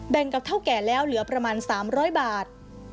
กับเท่าแก่แล้วเหลือประมาณ๓๐๐บาท